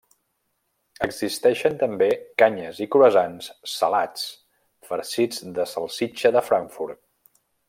Existeixen també canyes i croissants salats farcits de salsitxa de Frankfurt.